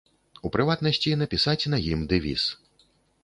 У прыватнасці, напісаць на ім дэвіз.